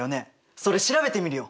それ調べてみるよ！